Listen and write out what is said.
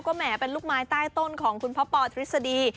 แหมเป็นลูกไม้ใต้ต้นของคุณพ่อปอทฤษฎี